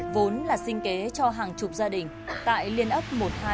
vốn là sinh kế cho hàng chục gia đình tại liên ấp một hai